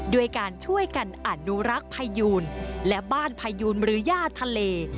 ด้วยการช่วยกันอนุรักษ์พยูนและบ้านพายูนหรือย่าทะเล